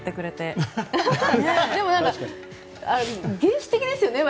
意外と原始的ですよね。